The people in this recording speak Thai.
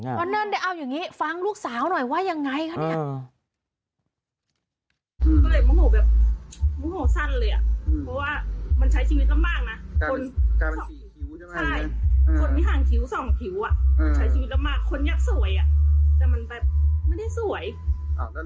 วันนั้นเอาอย่างนี้ฟังลูกสาวหน่อยว่ายังไงคะเนี่ย